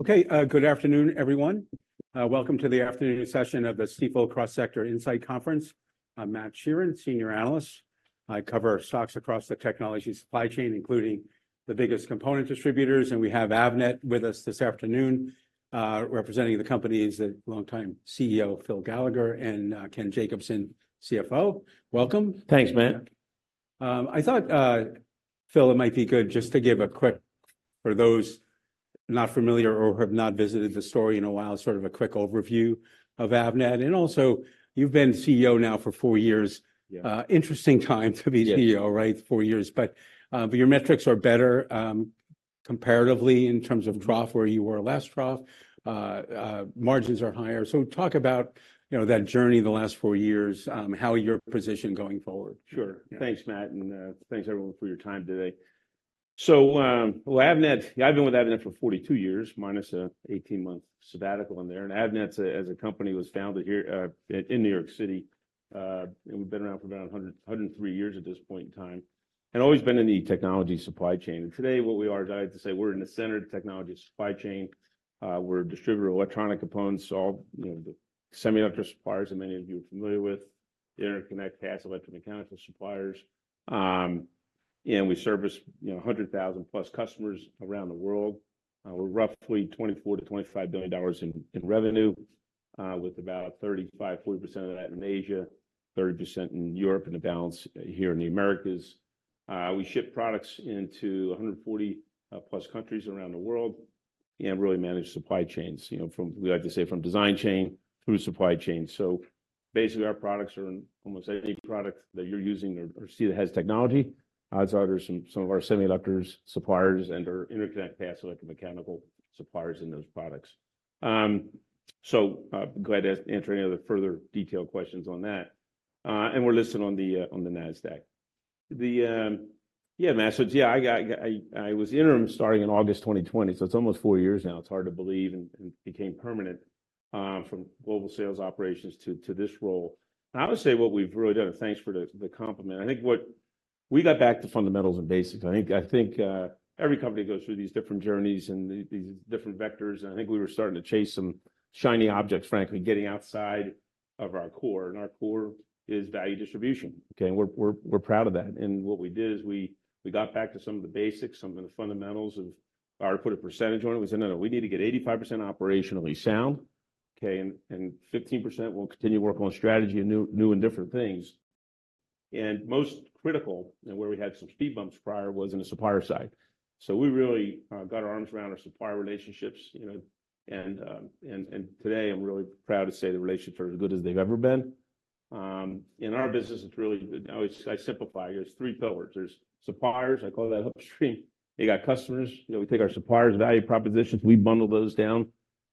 Okay, good afternoon, everyone. Welcome to the afternoon session of the Stifel Cross Sector Insight Conference. I'm Matthew Sheerin, Senior Analyst. I cover stocks across the technology supply chain, including the biggest component distributors, and we have Avnet with us this afternoon. Representing the company is the longtime CEO, Phil Gallagher, and Ken Jacobson, CFO. Welcome. Thanks, Matt. I thought, Phil, it might be good just to give a quick, for those not familiar or have not visited the store in a while, sort of a quick overview of Avnet. And also, you've been CEO now for four years. Yeah. Interesting time to be CEO- Yes... right? Four years. But your metrics are better, comparatively, in terms of trough, where you were last trough. Margins are higher. So talk about, you know, that journey the last four years, how your position going forward. Sure. Yeah. Thanks, Matt, and thanks, everyone, for your time today. So, well, Avnet, I've been with Avnet for 42 years, minus an 18-month sabbatical in there, and Avnet as a company, was founded here, in New York City. And we've been around for about 103 years at this point in time, and always been in the technology supply chain. Today, what we are, as I like to say, we're in the center of the technology supply chain. We're a distributor of electronic components, so all, you know, the semiconductor suppliers that many of you are familiar with, interconnect, passive, electro-mechanical suppliers. And we service, you know, 100,000-plus customers around the world. We're roughly $24 billion-$25 billion in revenue, with about 35%-40% of that in Asia, 30% in Europe, and the balance here in the Americas. We ship products into 140+ countries around the world and really manage supply chains, you know, from, we like to say, from design chain through supply chain. So basically, our products are in almost any product that you're using or see that has technology, odds are there's some of our semiconductors, suppliers and/or interconnect passive electro-mechanical suppliers in those products. So, glad to answer any other further detailed questions on that. And we're listed on the Nasdaq. Yeah, Matt, so yeah, I was interim starting in August 2020, so it's almost four years now. It's hard to believe, and became permanent from global sales operations to this role. I would say what we've really done, and thanks for the compliment, I think we got back to fundamentals and basics. I think every company goes through these different journeys and these different vectors, and I think we were starting to chase some shiny objects, frankly, getting outside of our core, and our core is value distribution. Okay? We're proud of that. What we did is we got back to some of the basics, some of the fundamentals, and I put a percentage on it. We said, "No, no, we need to get 85% operationally sound, okay, and 15%, we'll continue to work on strategy and new and different things." And most critical, and where we had some speed bumps prior, was in the supplier side. So we really got our arms around our supplier relationships, you know, and today, I'm really proud to say the relationships are as good as they've ever been. In our business, it's really... I always, I simplify, there's three pillars, there's suppliers, I call that upstream. You got customers, you know, we take our suppliers' value propositions, we bundle those down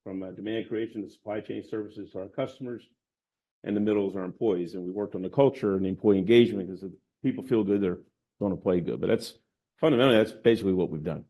from demand creation to supply chain services to our customers, and the middle is our employees, and we worked on the culture and the employee engagement 'cause if people feel good, they're going to play good. But that's, fundamentally, that's basically what we've done.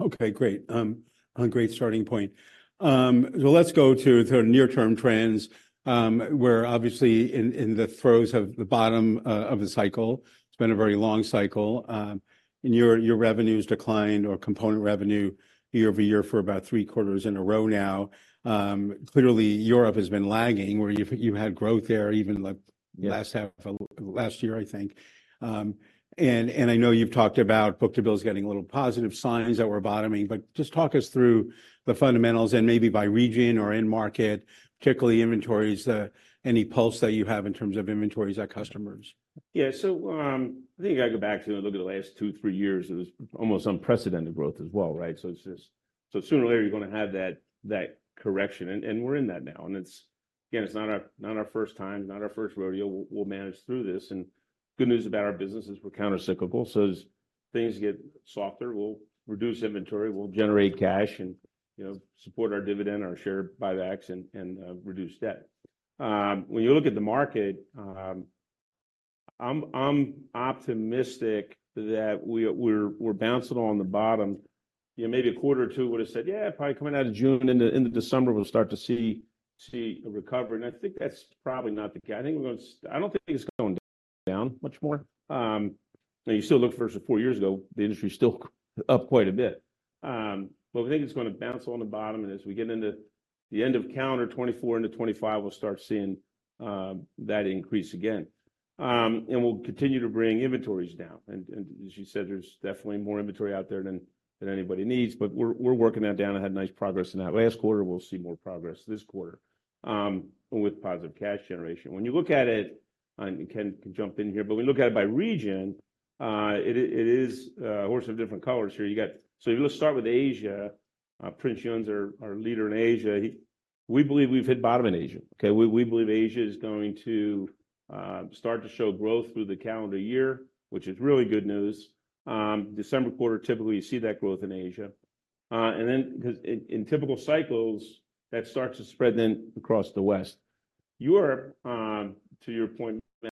Okay, great. A great starting point. So let's go to the near-term trends. We're obviously in the throes of the bottom of the cycle. It's been a very long cycle. And your revenues declined, or component revenue, year-over-year for about three quarters in a row now. Clearly, Europe has been lagging, where you've had growth there, even like- Yeah... the last half of last year, I think. And I know you've talked about book-to-bill as getting a little positive signs that we're bottoming, but just talk us through the fundamentals and maybe by region or end market, particularly inventories, any pulse that you have in terms of inventories at customers. Yeah. So, I think I go back to look at the last two, three years, it was almost unprecedented growth as well, right? So it's just... So sooner or later, you're going to have that, that correction, and, and we're in that now. And it's, again, it's not our, not our first time, not our first rodeo. We'll, we'll manage through this. And good news about our business is we're countercyclical, so as things get softer, we'll reduce inventory, we'll generate cash and, you know, support our dividend, our share buybacks, and, and, reduce debt. When you look at the market, I'm optimistic that we're bouncing on the bottom. You know, maybe a quarter or two would have said, "Yeah, probably coming out of June into December, we'll start to see a recovery." And I think that's probably not the case. I think we're going to. I don't think it's going down much more. And you still look versus four years ago, the industry is still up quite a bit. But I think it's going to bounce on the bottom, and as we get into the end of calendar 2024 into 2025, we'll start seeing that increase again. And we'll continue to bring inventories down, and as you said, there's definitely more inventory out there than anybody needs, but we're working that down and had nice progress in that last quarter. We'll see more progress this quarter with positive cash generation. When you look at it, and Ken can jump in here, but when we look at it by region, it is a horse of different colors here. You got. So let's start with Asia. Prince Yun's our leader in Asia. We believe we've hit bottom in Asia, okay? We believe Asia is going to start to show growth through the calendar year, which is really good news. December quarter, typically, you see that growth in Asia. And then, 'cause in typical cycles, that starts to spread then across the West. Europe, to your point, Matt,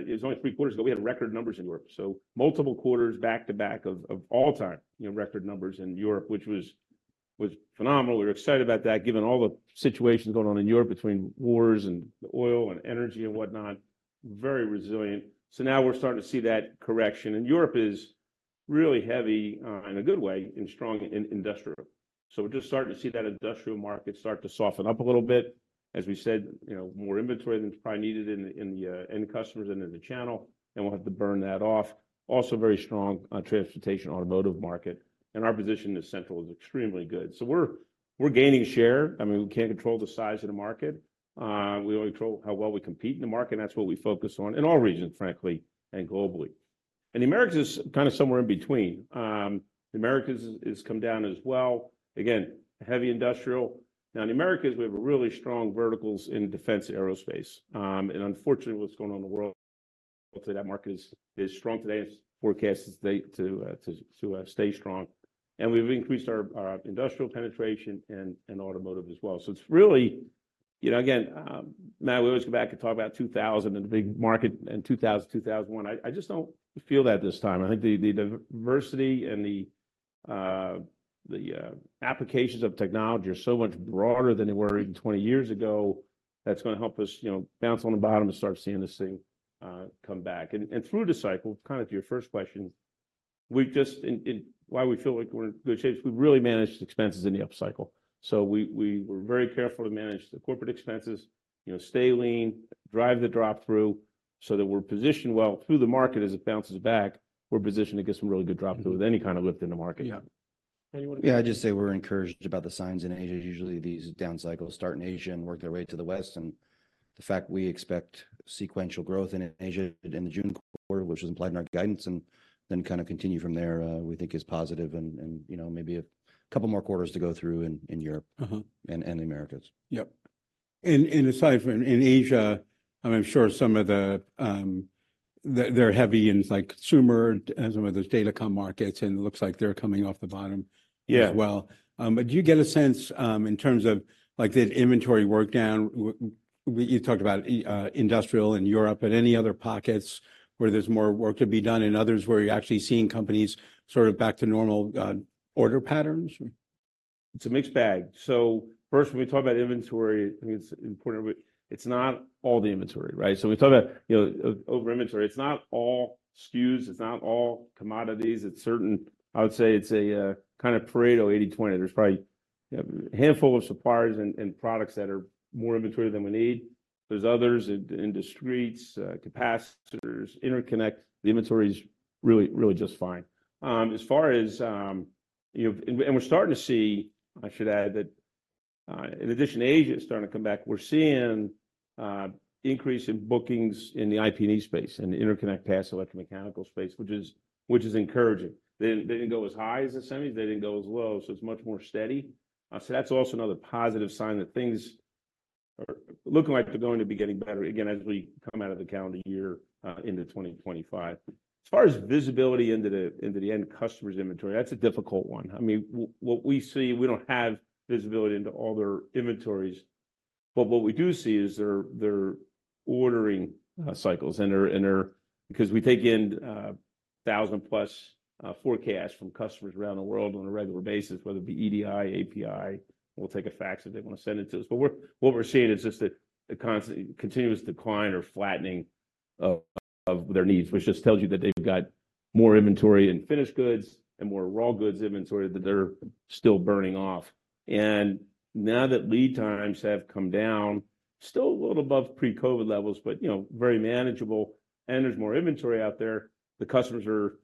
it was only three quarters ago, we had record numbers in Europe, so multiple quarters back-to-back of all-time, you know, record numbers in Europe, which was phenomenal. We were excited about that, given all the situations going on in Europe between wars and oil and energy and whatnot. Very resilient. So now we're starting to see that correction. And Europe is really heavy in a good way, strong in industrial. So we're just starting to see that industrial market start to soften up a little bit. As we said, you know, more inventory than is probably needed in the end customers and in the channel, and we'll have to burn that off. Also, very strong on transportation, automotive market, and our position in central is extremely good. So we're gaining share. I mean, we can't control the size of the market. We only control how well we compete in the market, and that's what we focus on in all regions, frankly, and globally. And the Americas is kind of somewhere in between. The Americas has come down as well. Again, heavy industrial. Now, in the Americas, we have a really strong verticals in defense aerospace. And unfortunately, what's going on in the world, hopefully that market is strong today, and forecasted to stay strong. And we've increased our industrial penetration and automotive as well. So it's really, you know, again, now we always go back and talk about 2000 and the big market in 2000, 2001. I just don't feel that this time. I think the diversity and the applications of technology are so much broader than they were even 20 years ago. That's going to help us, you know, bounce on the bottom and start seeing this thing come back. And through the cycle, kind of to your first question, and why we feel like we're in good shape, is we've really managed expenses in the up cycle. So we were very careful to manage the corporate expenses, you know, stay lean, drive the drop-through, so that we're positioned well through the market as it bounces back. We're positioned to get some really good drop-through with any kind of lift in the market. Yeah. Anyone? Yeah, I'd just say we're encouraged about the signs in Asia. Usually, these down cycles start in Asia and work their way to the West, and the fact we expect sequential growth in Asia in the June quarter, which is implied in our guidance, and then kinda continue from there, we think is positive and, you know, maybe a couple more quarters to go through in Europe- Uh-huh. and the Americas. Yep. And aside from in Asia, I'm sure some of the, they, they're heavy in, like, consumer and some of those datacom markets, and it looks like they're coming off the bottom- Yeah As well. But do you get a sense, in terms of, like, the inventory work down? You talked about industrial in Europe, but any other pockets where there's more work to be done and others where you're actually seeing companies sort of back to normal order patterns? It's a mixed bag. So first, when we talk about inventory, I mean, it's important, it's not all the inventory, right? So when we talk about, you know, over inventory, it's not all SKUs, it's not all commodities, it's certain, I would say it's a kind of Pareto 80/20. There's probably a handful of suppliers and products that are more inventory than we need. There's others in discretes, capacitors, interconnect. The inventory is really, really just fine. As far as, you know, and we're starting to see, I should add, that in addition to Asia is starting to come back, we're seeing increase in bookings in the IP&E space and the interconnect, passive, electromechanical space, which is, which is encouraging. They, they didn't go as high as the semis, they didn't go as low, so it's much more steady. So that's also another positive sign that things are looking like they're going to be getting better again as we come out of the calendar year into 2025. As far as visibility into the end customers' inventory, that's a difficult one. I mean, what we see, we don't have visibility into all their inventories, but what we do see is their ordering cycles and their, because we take in 1,000+ forecasts from customers around the world on a regular basis, whether it be EDI, API, we'll take a fax if they want to send it to us. But what we're seeing is just a constant, continuous decline or flattening of their needs, which just tells you that they've got more inventory and finished goods and more raw goods inventory that they're still burning off. And now that lead times have come down, still a little above pre-COVID levels, but, you know, very manageable, and there's more inventory out there. The customers are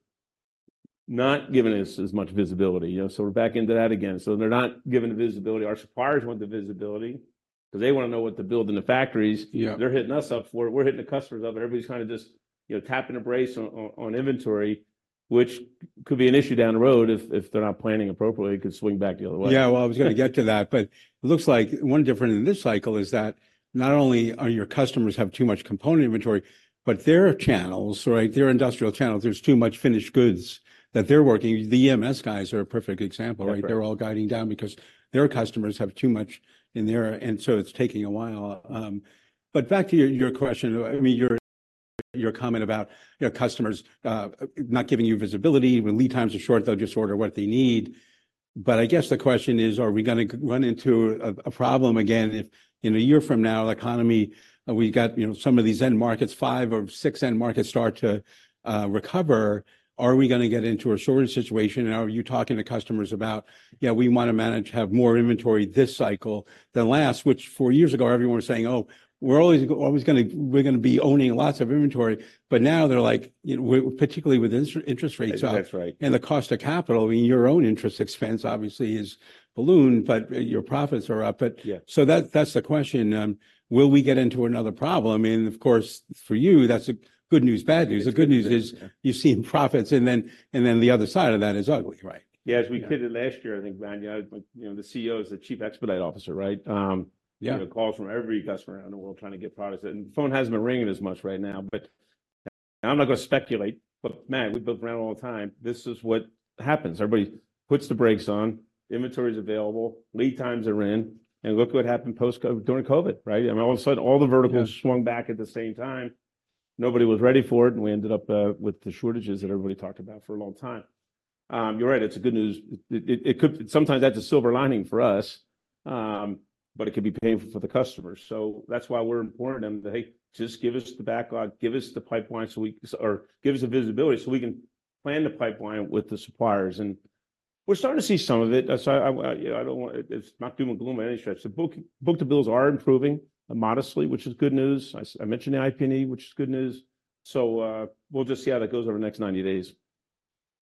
not giving us as much visibility, you know, so we're back into that again. They're not giving the visibility. Our suppliers want the visibility because they want to know what to build in the factories. Yeah. They're hitting us up for it. We're hitting the customers up, and everybody's kind of just, you know, tapping the brakes on inventory, which could be an issue down the road if they're not planning appropriately. It could swing back the other way. Yeah, well, I was going to get to that, but it looks like one difference in this cycle is that not only are your customers have too much component inventory, but their channels, right, their industrial channels, there's too much finished goods that they're working. The EMS guys are a perfect example, right? Yeah. They're all guiding down because their customers have too much in there, and so it's taking a while. But back to your, your question, I mean, your, your comment about your customers not giving you visibility. When lead times are short, they'll just order what they need. But I guess the question is, are we gonna run into a problem again, if in a year from now, the economy, we've got, you know, some of these end markets, five or six end markets start to recover. Are we gonna get into a shortage situation? And are you talking to customers about, yeah, we want to manage to have more inventory this cycle than last, which four years ago, everyone was saying, "Oh, we're always, always gonna-- we're gonna be owning lots of inventory." But now they're like, you know, particularly with ins- interest rates up- That's right. and the cost of capital, I mean, your own interest expense obviously is ballooning, but your profits are up. Yeah. So that's the question. Will we get into another problem? I mean, of course, for you, that's a good news, bad news. Yeah. The good news is you've seen profits, and then, and then the other side of that is ugly, right? Yeah, as we did it last year, I think, Matt, you know, the CEO is the chief expedite officer, right? Yeah. You get calls from every customer around the world trying to get products, and the phone hasn't been ringing as much right now, but I'm not gonna speculate. But Matt, we've been around a long time. This is what happens. Everybody puts the brakes on, inventory is available, lead times are in, and look what happened post-COVID, during COVID, right? I mean, all of a sudden, all the verticals- Yeah... swung back at the same time. Nobody was ready for it, and we ended up with the shortages that everybody talked about for a long time. You're right, it's a good news. It could. Sometimes that's a silver lining for us, but it could be painful for the customers. So that's why we're imparting to them, that, "Hey, just give us the backlog, give us the pipeline or give us the visibility, so we can plan the pipeline with the suppliers." And we're starting to see some of it. So I don't want. It's not doom and gloom by any stretch. The book-to-bills are improving modestly, which is good news. I mentioned the IP&E, which is good news. So, we'll just see how that goes over the next 90 days.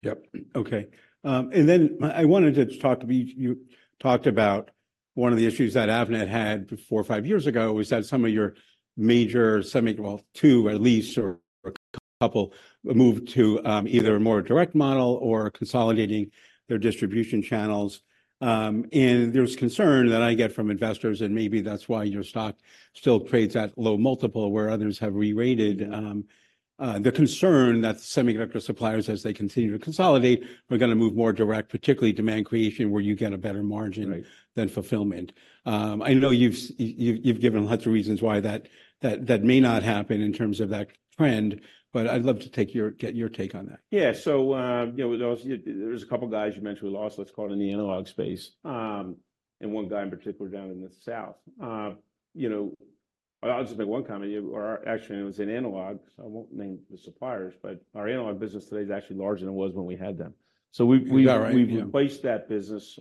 Yep. Okay. Then I wanted to talk about one of the issues that Avnet had four or five years ago, was that some of your major semiconductor, well, two at least, or a couple, moved to either a more direct model or consolidating their distribution channels. There's concern that I get from investors, and maybe that's why your stock still trades at low multiple, where others have rerated. The concern that semiconductor suppliers, as they continue to consolidate, are gonna move more direct, particularly demand creation, where you get a better margin- Right... than fulfillment. I know you've given lots of reasons why that may not happen in terms of that trend, but I'd love to get your take on that. Yeah. So, you know, those - there's a couple guys you mentioned we lost, let's call it in the analog space. And one guy in particular down in the south. You know, I'll just make one comment. Or actually, it was in analog, so I won't name the suppliers, but our analog business today is actually larger than it was when we had them. So we've- You're right... we've replaced that business.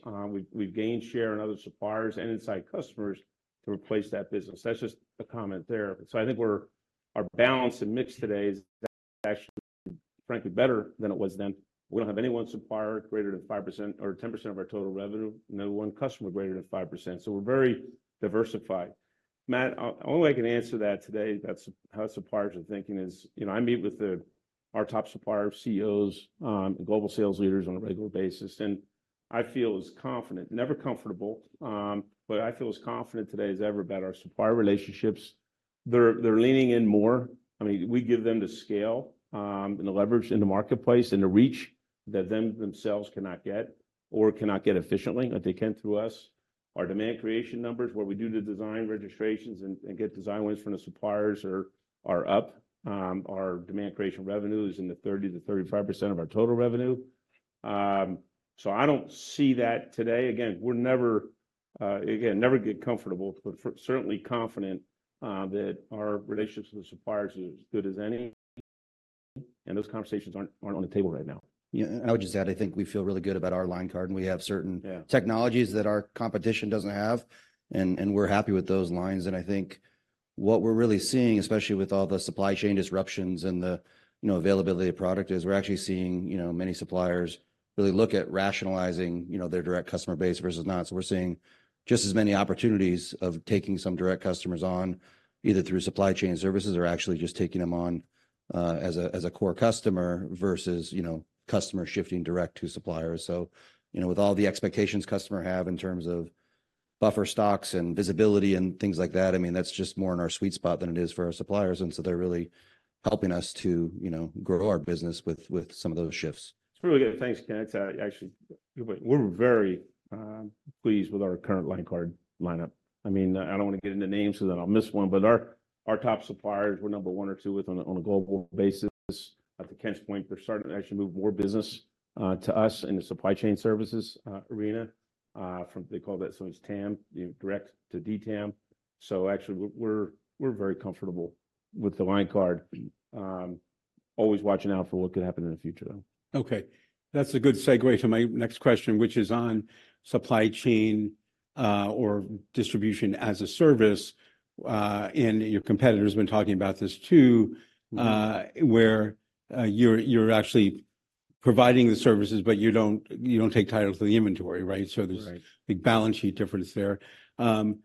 We've gained share in other suppliers and inside customers to replace that business. That's just a comment there. So I think we're our balance and mix today is actually, frankly, better than it was then. We don't have any one supplier greater than 5% or 10% of our total revenue, no one customer greater than 5%, so we're very diversified. Matt, the only way I can answer that today, that's how suppliers are thinking is, you know, I meet with the, our top supplier CEOs, global sales leaders on a regular basis, and I feel as confident, never comfortable, but I feel as confident today as ever about our supplier relationships. They're leaning in more. I mean, we give them the scale, and the leverage in the marketplace and the reach that them themselves cannot get or cannot get efficiently, but they can through us. Our demand creation numbers, what we do to design registrations and get design wins from the suppliers are up. Our demand creation revenue is in the 30%-35% of our total revenue. So I don't see that today. Again, we're never, again, never get comfortable, but certainly confident that our relationships with suppliers are as good as any, and those conversations aren't on the table right now. Yeah, I would just add, I think we feel really good about our line card, and we have certain- Yeah... technologies that our competition doesn't have, and we're happy with those lines. And I think what we're really seeing, especially with all the supply chain disruptions and the, you know, availability of product, is we're actually seeing, you know, many suppliers really look at rationalizing, you know, their direct customer base versus not. So we're seeing just as many opportunities of taking some direct customers on, either through supply chain services or actually just taking them on as a core customer, versus, you know, customers shifting direct to suppliers. So, you know, with all the expectations customer have in terms of buffer stocks and visibility and things like that, I mean, that's just more in our sweet spot than it is for our suppliers. And so they're really helping us to, you know, grow our business with some of those shifts. It's really good. Thanks, Ken. It's actually, we're very pleased with our current line card lineup. I mean, I don't want to get into names so that I'll miss one, but our top suppliers, we're number one or two with on a global basis. At Ken's point, they're starting to actually move more business to us in the supply chain services arena from they call that sometimes TAM, you know, direct to DTAM. So actually, we're very comfortable with the line card. Always watching out for what could happen in the future, though. Okay, that's a good segue to my next question, which is on supply chain or distribution as a service, and your competitor has been talking about this, too- Mm-hmm... where you're actually providing the services, but you don't take titles to the inventory, right? Right. So there's big balance sheet difference there. And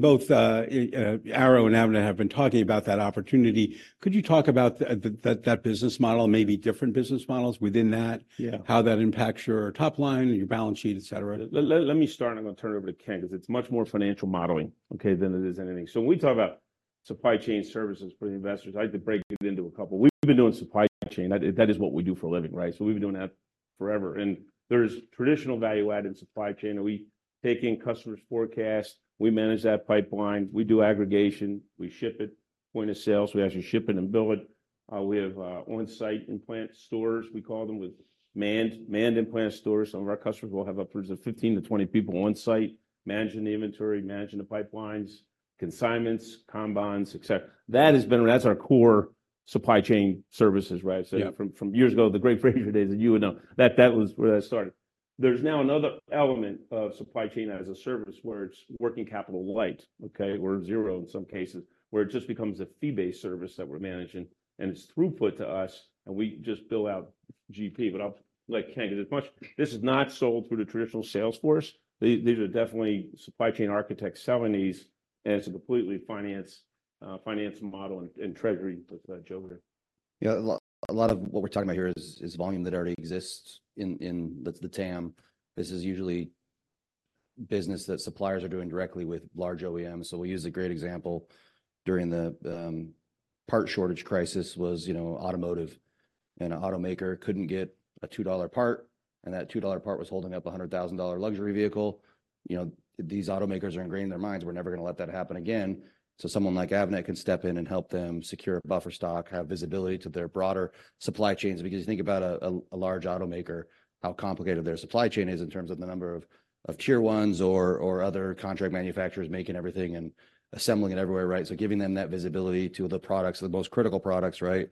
both Arrow and Avnet have been talking about that opportunity. Could you talk about that business model, maybe different business models within that? Yeah. How that impacts your top line, your balance sheet, et cetera? Let me start, and I'm going to turn it over to Ken, because it's much more financial modeling, okay, than it is anything. So when we talk about supply chain services for the investors, I had to break it into a couple. We've been doing supply chain. That, that is what we do for a living, right? So we've been doing that forever, and there's traditional value add in supply chain, and we take in customers' forecast, we manage that pipeline, we do aggregation, we ship it, point of sale, so we actually ship it and bill it. We have on-site implant stores, we call them, with manned implant stores. Some of our customers will have upwards of 15-20 people on-site, managing the inventory, managing the pipelines, consignments, combines, et cetera. That has been, that's our core supply chain services, right? Yeah. So from years ago, the Greg Frazier days, and you would know, that was where that started. There's now another element of supply chain as a service, where it's working capital light, okay? Or zero in some cases, where it just becomes a fee-based service that we're managing, and it's throughput to us, and we just bill out GP. But I'll let Ken, because as much... This is not sold through the traditional sales force. These are definitely supply chain architects selling these, and it's a completely finance, finance model and treasury with that joker. Yeah, a lot, a lot of what we're talking about here is volume that already exists in-- that's the TAM. This is usually business that suppliers are doing directly with large OEMs. So we use a great example during the part shortage crisis was, you know, automotive and an automaker couldn't get a $2 part, and that $2 part was holding up a $100,000 luxury vehicle. You know, these automakers are ingrained in their minds, "We're never gonna let that happen again." So someone like Avnet can step in and help them secure buffer stock, have visibility to their broader supply chains. Because you think about a large automaker, how complicated their supply chain is in terms of the number of tier ones or other contract manufacturers making everything and assembling it everywhere, right? So giving them that visibility to the products, the most critical products, right?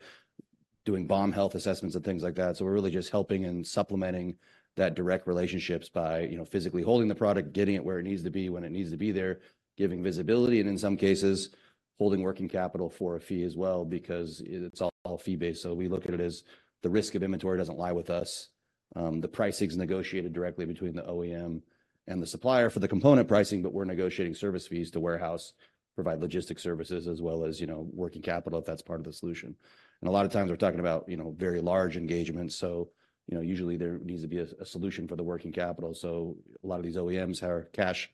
Doing BOM health assessments and things like that. So we're really just helping and supplementing that direct relationships by, you know, physically holding the product, getting it where it needs to be, when it needs to be there, giving visibility, and in some cases, holding working capital for a fee as well, because it's all fee-based. So we look at it as the risk of inventory doesn't lie with us. The pricing's negotiated directly between the OEM and the supplier for the component pricing, but we're negotiating service fees to warehouse, provide logistic services, as well as, you know, working capital, if that's part of the solution. And a lot of times, we're talking about, you know, very large engagements, so, you know, usually there needs to be a solution for the working capital. So a lot of these OEMs are cash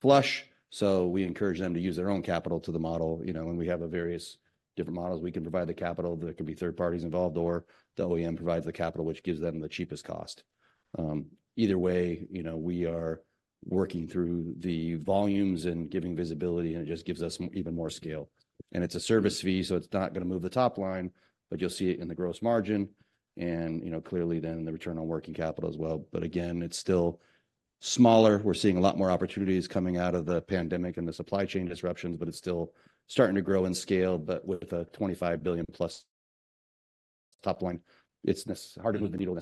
flush, so we encourage them to use their own capital to the model, you know, and we have a various different models. We can provide the capital, there could be third parties involved, or the OEM provides the capital, which gives them the cheapest cost. Either way, you know, we are working through the volumes and giving visibility, and it just gives us even more scale. And it's a service fee, so it's not gonna move the top line, but you'll see it in the gross margin and, you know, clearly then the return on working capital as well. But again, it's still smaller. We're seeing a lot more opportunities coming out of the pandemic and the supply chain disruptions, but it's still starting to grow in scale, but with a $25 billion+ top line, it's necessarily hard to move the needle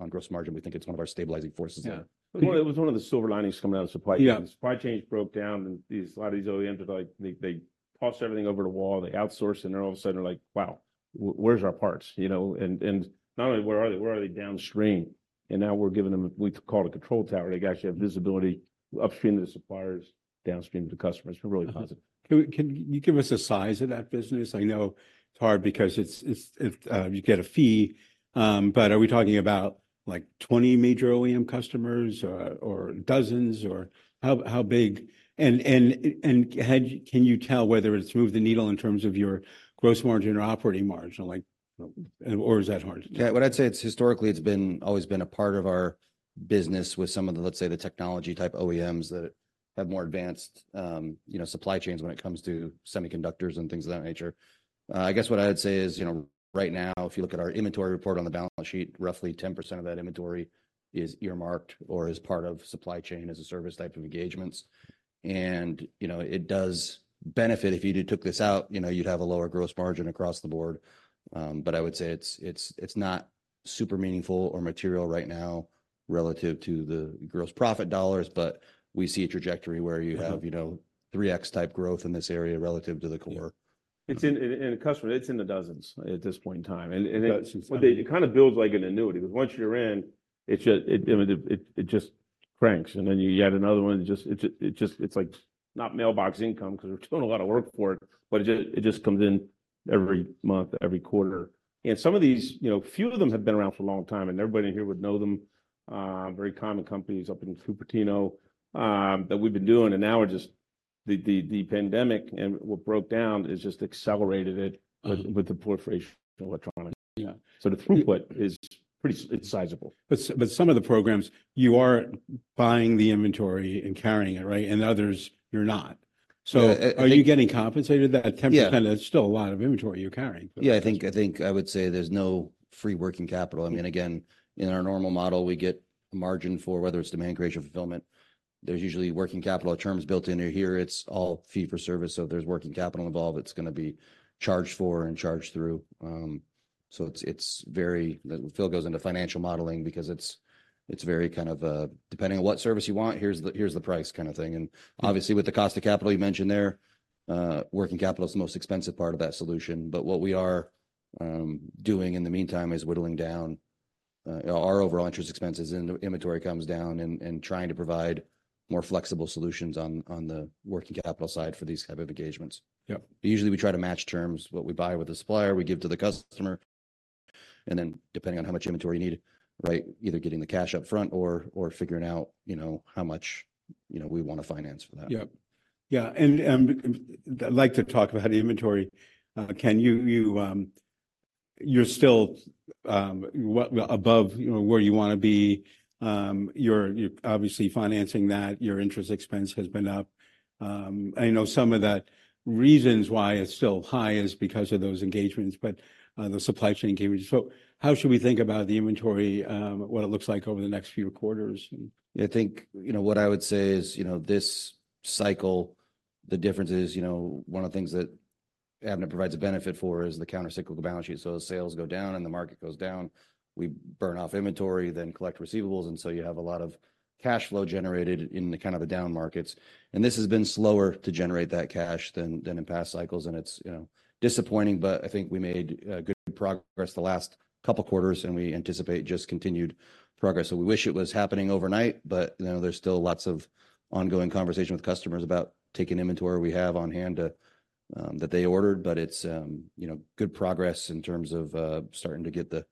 on gross margin. We think it's one of our stabilizing forces. Yeah. Well, it was one of the silver linings coming out of supply chain. Yeah. Supply chains broke down, and these, a lot of these OEMs, they, like, tossed everything over the wall, they outsource, and then all of a sudden, they're like: "Wow, where's our parts?" You know, and not only where are they, where are they downstream? And now we're giving them, we call it a control tower. They actually have visibility upstream to the suppliers, downstream to customers. We're really positive. Can you give us a size of that business? I know it's hard because you get a fee, but are we talking about, like, 20 major OEM customers or dozens or how big? And how can you tell whether it's moved the needle in terms of your gross margin or operating margin, like, or is that hard to tell? Yeah, what I'd say, it's historically always been a part of our business with some of the, let's say, the technology-type OEMs that have more advanced, you know, supply chains when it comes to semiconductors and things of that nature. I guess what I'd say is, you know, right now, if you look at our inventory report on the balance sheet, roughly 10% of that inventory is earmarked or is part of supply chain as a service type of engagements. And, you know, it does benefit. If you did took this out, you know, you'd have a lower gross margin across the board. But I would say it's not super meaningful or material right now relative to the gross profit dollars, but we see a trajectory where you have- Mm-hmm... you know, 3x-type growth in this area relative to the core. Yeah. It's in a customer, it's in the dozens at this point in time. And Dozens. But it kind of builds like an annuity, 'cause once you're in, it just, I mean, it just cranks, and then you add another one, it just, it's like, not mailbox income because we're doing a lot of work for it, but it just comes in every month, every quarter. And some of these, you know, few of them have been around for a long time, and everybody in here would know them. Very common companies up in Cupertino, that we've been doing, and now we're just... The pandemic and what broke down has just accelerated it- Mm... with the proliferation of electronics. Yeah. The throughput is pretty, it's sizable. But some of the programs, you are buying the inventory and carrying it, right? And others, you're not. Uh, uh- So, are you getting compensated that- Yeah... 10%, that's still a lot of inventory you're carrying. Yeah, I think I would say there's no free working capital. I mean, again, in our normal model, we get a margin for whether it's demand creation, fulfillment. There's usually working capital terms built in. In here, it's all fee for service, so if there's working capital involved, it's gonna be charged for and charged through. So it's very-- Phil goes into financial modeling because it's very kind of a, "depending on what service you want, here's the price" kind of thing. And obviously, with the cost of capital you mentioned there, working capital is the most expensive part of that solution. But what we are doing in the meantime is whittling down our overall interest expenses, and the inventory comes down, and trying to provide more flexible solutions on the working capital side for these type of engagements. Yeah. Usually, we try to match terms, what we buy with the supplier, we give to the customer, and then, depending on how much inventory you need, right, either getting the cash up front or, or figuring out, you know, how much, you know, we want to finance for that. Yeah. Yeah, and I'd like to talk about the inventory. Can you... You're still, what, above, you know, where you wanna be. You're obviously financing that. Your interest expense has been up. I know some of the reasons why it's still high is because of those engagements, but the supply chain engagements. So how should we think about the inventory, what it looks like over the next few quarters? I think, you know, what I would say is, you know, this cycle, the difference is, you know, one of the things that Avnet provides a benefit for is the countercyclical balance sheet. So as sales go down and the market goes down, we burn off inventory, then collect receivables, and so you have a lot of cash flow generated in the kind of the down markets. And this has been slower to generate that cash than, than in past cycles, and it's, you know, disappointing, but I think we made good progress the last couple quarters, and we anticipate just continued progress. So we wish it was happening overnight, but, you know, there's still lots of ongoing conversation with customers about taking inventory we have on hand that they ordered. But it's, you know, good progress in terms of starting to get the-...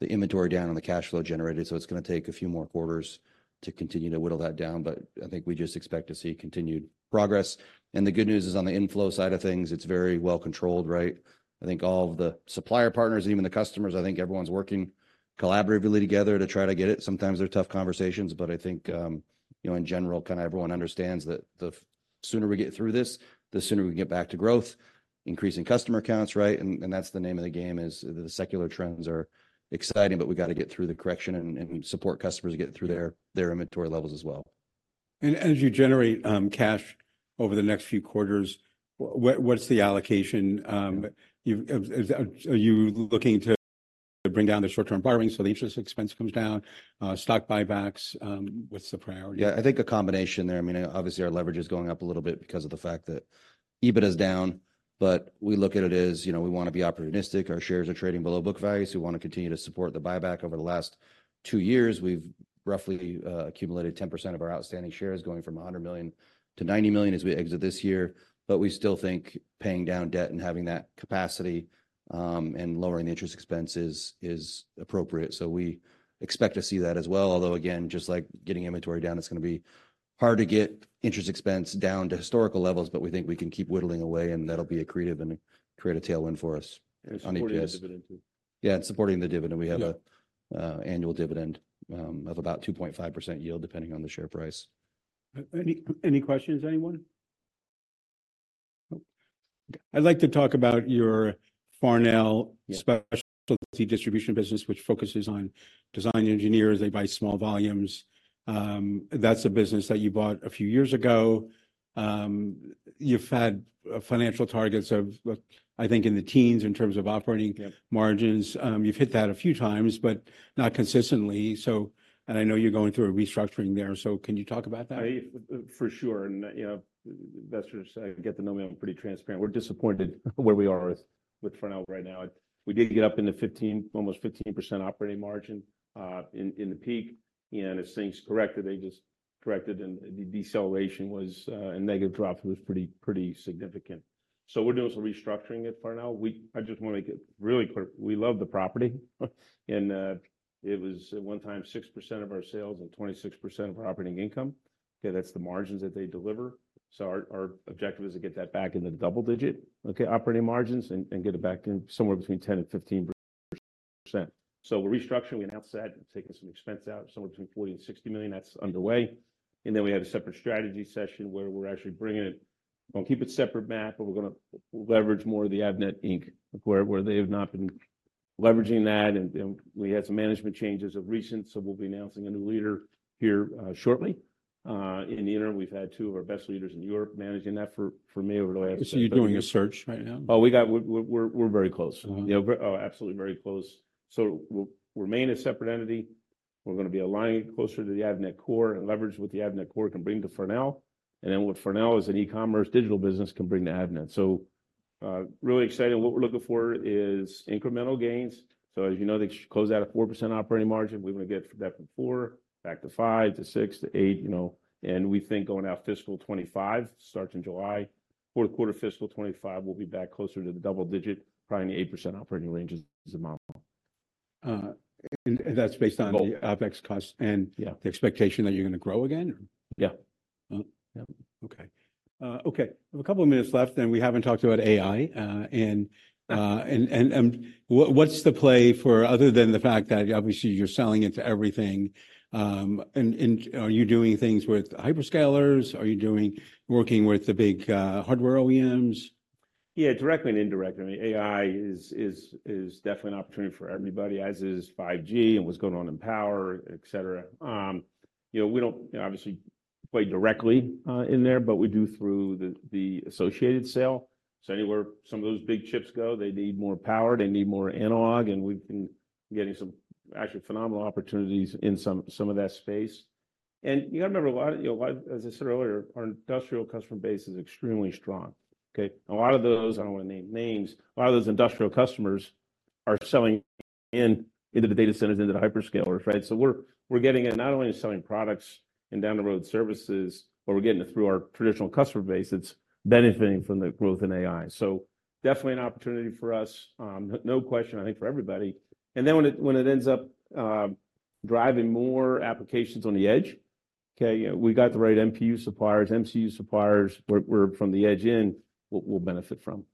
The inventory down and the cash flow generated, so it's gonna take a few more quarters to continue to whittle that down. But I think we just expect to see continued progress. And the good news is on the inflow side of things, it's very well controlled, right? I think all of the supplier partners, even the customers, I think everyone's working collaboratively together to try to get it. Sometimes they're tough conversations, but I think, you know, in general, kind of everyone understands that the sooner we get through this, the sooner we can get back to growth, increasing customer counts, right? And, and that's the name of the game is the secular trends are exciting, but we've got to get through the correction and, and support customers get through their, their inventory levels as well. As you generate cash over the next few quarters, what's the allocation? Are you looking to bring down the short-term borrowing so the interest expense comes down, stock buybacks? What's the priority? Yeah, I think a combination there. I mean, obviously, our leverage is going up a little bit because of the fact that EBITDA is down, but we look at it as, you know, we want to be opportunistic. Our shares are trading below book value, so we want to continue to support the buyback. Over the last two years, we've roughly accumulated 10% of our outstanding shares, going from 100 million to 90 million as we exit this year. But we still think paying down debt and having that capacity and lowering the interest expense is appropriate, so we expect to see that as well. Although, again, just like getting inventory down, it's going to be hard to get interest expense down to historical levels, but we think we can keep whittling away, and that'll be accretive and create a tailwind for us on EPS. Supporting the dividend too. Yeah, and supporting the dividend. Yeah. We have an annual dividend of about 2.5% yield, depending on the share price. Any, any questions, anyone? Nope. I'd like to talk about your Farnell- Yeah... specialty distribution business, which focuses on design engineers. They buy small volumes. That's a business that you bought a few years ago. You've had financial targets of, I think, in the teens in terms of operating- Yeah - margins. You've hit that a few times, but not consistently. So, and I know you're going through a restructuring there, so can you talk about that? I, for sure. And, you know, investors get to know me, I'm pretty transparent. We're disappointed where we are with Farnell right now. We did get up in the 15, almost 15% operating margin, in the peak, and as things corrected, they just corrected, and the deceleration was a negative drop was pretty, pretty significant. So we're doing some restructuring at Farnell. We. I just want to get really clear. We love the property, and it was at one time 6% of our sales and 26% of operating income. Okay, that's the margins that they deliver. So our objective is to get that back into the double digit, okay, operating margins, and get it back in somewhere between 10% and 15%. So we're restructuring. We announced that, taking some expense out, somewhere between $40 million and $60 million. That's underway. And then we had a separate strategy session where we're actually bringing it. We'll keep it separate, Matt, but we're gonna leverage more of the Avnet, Inc., where they have not been leveraging that. And we had some management changes of recent, so we'll be announcing a new leader here shortly. In the interim, we've had two of our best leaders in Europe managing that for me over the last- You're doing a search right now? Oh, we're very close. Uh-huh. Oh, absolutely very close. So we'll remain a separate entity. We're going to be aligning closer to the Avnet core and leverage what the Avnet core can bring to Farnell, and then what Farnell as an e-commerce digital business can bring to Avnet. So, really excited. What we're looking for is incremental gains. So as you know, they close out a 4% operating margin. We want to get that from 4% back to 5%, to 6%, to 8%, you know, and we think going out fiscal 2025, starts in July. Fourth quarter, fiscal 2025, we'll be back closer to the double digit, probably 8% operating range is the model. and that's based on the OpEx cost- Yeah - and the expectation that you're going to grow again? Yeah. Yeah. Okay. Okay, a couple of minutes left, and we haven't talked about AI and what's the play for other than the fact that obviously you're selling into everything, and are you doing things with hyperscalers? Are you doing, working with the big, hardware OEMs? Yeah, directly and indirectly. I mean, AI is definitely an opportunity for everybody, as is 5G and what's going on in power, et cetera. You know, we don't obviously play directly in there, but we do through the associated sale. So anywhere some of those big chips go, they need more power, they need more analog, and we've been getting some actually phenomenal opportunities in some of that space. And you got to remember, a lot, you know, a lot. As I said earlier, our industrial customer base is extremely strong, okay? A lot of those, I don't want to name names, a lot of those industrial customers are selling into the data centers, into the hyperscalers, right? So we're getting it not only in selling products and down the road services, but we're getting it through our traditional customer base that's benefiting from the growth in AI. So definitely an opportunity for us, no question, I think, for everybody. And then when it ends up driving more applications on the edge, okay, we got the right MPU suppliers, MCU suppliers, we're from the edge in, we'll benefit from.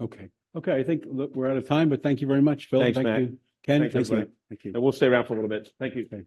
Okay. Okay, I think we're out of time, but thank you very much, Phil. Thanks, Matt. Thank you. Ken, thanks. Thank you. We'll stay around for a little bit. Thank you. Thanks.